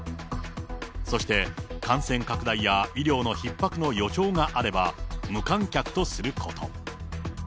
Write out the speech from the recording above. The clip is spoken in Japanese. そして、感染拡大や医療のひっ迫の予兆があれば無観客とすること。